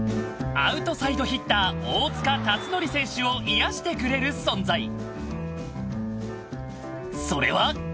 アウトサイドヒッター大塚達宣選手を癒やしてくれる存在、それは。